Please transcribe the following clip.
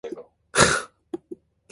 갑자기 저편 아래에서 재재 하는 소리가 납니다.